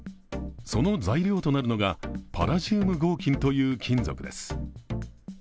その材料となるのがパラジウム合金という金属です。